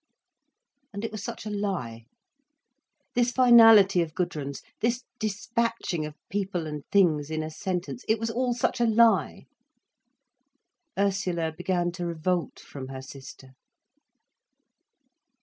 And it was such a lie. This finality of Gudrun's, this dispatching of people and things in a sentence, it was all such a lie. Ursula began to revolt from her sister.